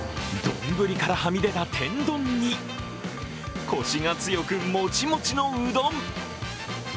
丼からはみ出た天丼にこしが強くもちもちのうどん。